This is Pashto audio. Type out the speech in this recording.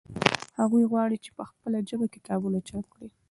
هغوی غواړي چې په خپله ژبه کتابونه چاپ کړي.